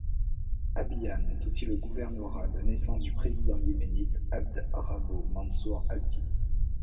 Abyan est aussi le gouvernorat de naissance du président yéménite Abd Rabo Mansour Hadi.